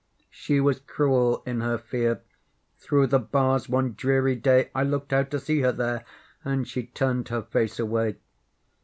She was cruel in her fear; Through the bars one dreary day, I looked out to see her there, And she turned her face away!